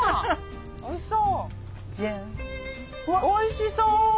おいしそう。